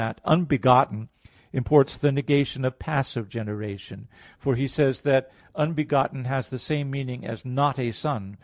v, 7) that "unbegotten" imports the negation of passive generation. For he says that "unbegotten" has the same meaning as "not a son."